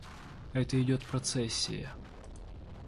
Это идет процессия.